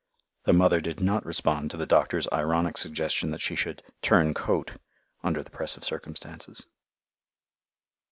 The mother did not respond to the doctor's ironic suggestion that she should "turncoat" under the press of circumstances.